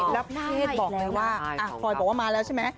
แล้วพี่บอกเลยว่าพลอยบอกว่ามาแล้วใช่ไหม